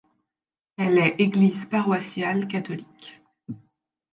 Elle est église paroissiale catholique.